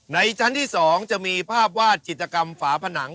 ชั้นที่๒จะมีภาพวาดจิตกรรมฝาผนัง